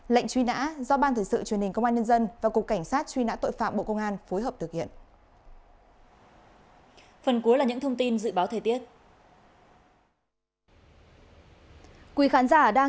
lệnh truy nã do ban thực sự truyền hình công an nhân dân và cục cảnh sát truy nã tội phạm bộ công an phối hợp thực hiện